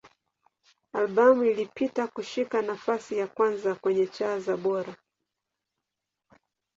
Albamu ilipata kushika nafasi ya kwanza kwenye cha za Bora.